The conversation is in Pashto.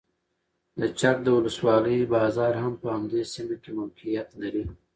د چک د ولسوالۍ بازار هم په همدې سیمه کې موقعیت لري.